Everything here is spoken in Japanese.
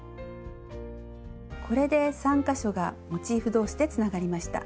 これで３か所がモチーフ同士でつながりました。